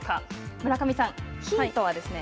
村上さん、ヒントはですね